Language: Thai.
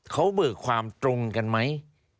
เขาเบิกความตรงกันไหม